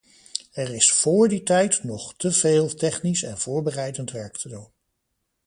Er is vóór die tijd nog te veel technisch en voorbereidend werk te doen.